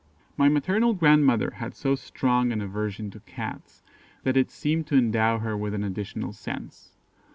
My maternal grandmother had so strong an aversion to Cats that it seemed to endow her with an additional sense.